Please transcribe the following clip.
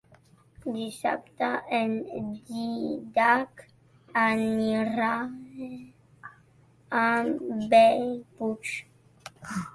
Dissabte en Dídac anirà a Bellpuig.